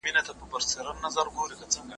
هغوی به ډېر ژر یوه نوي ودانۍ جوړه کړي.